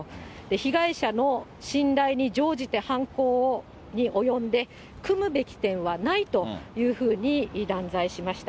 被害者の信頼に乗じて犯行に及んで、くむべき点はないというふうに断罪しました。